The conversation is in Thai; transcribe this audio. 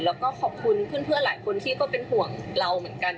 แล้วก็ขอบคุณเพื่อนหลายคนที่ก็เป็นห่วงเราเหมือนกัน